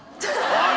おい